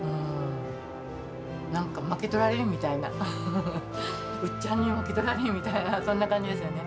なんか負けとられんみたいな、ウッチャンに負けとられんみたいな、そんな感じですよね。